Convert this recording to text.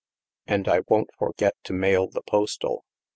And I won't for get to mail the postal."